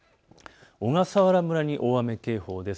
小笠原村に大雨警報です。